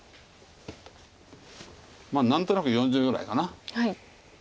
何となく４０ぐらいかな。